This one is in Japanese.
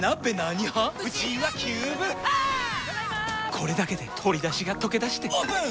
これだけで鶏だしがとけだしてオープン！